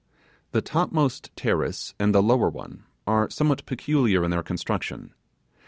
The topmost terrace and the lower one are somewhat peculiar in their construction.